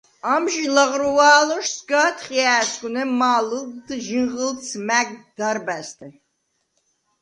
ამჟი ლაღროუ̂ა̄̈ლოშ სგ’ა̄თხჲა̄̈სგუ̂ნე მა̄ლჷლდდ ჟინღჷლდს მა̈გ დარბა̈ზთე.